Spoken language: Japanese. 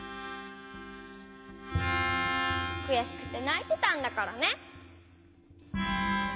くやしくてないてたんだからね。